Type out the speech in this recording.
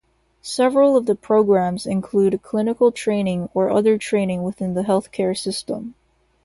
Several of the programmes include clinical training or other training within the healthcare system.